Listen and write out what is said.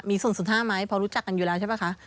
มี๐๕ไหมพอรู้จักกันอยู่แล้วใช่ป่ะคะ